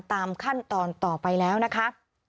ตามขั้นตอนต่อไปแล้วนะคะ